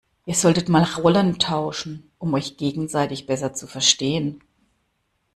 Ihr solltet mal Rollen tauschen, um euch gegenseitig besser zu verstehen.